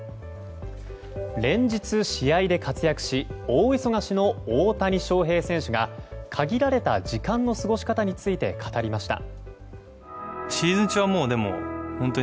連日試合で活躍し大忙しの大谷翔平選手が限られた時間の過ごし方について語りました。